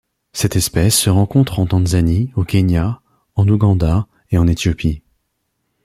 Cette espèce se rencontre en Tanzanie, au Kenya, en Ouganda et en Éthiopie.